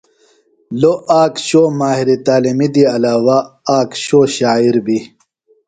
لوۡ آک شو ماہر تعلیم دی علاوہ آک شو شاعر بیۡ۔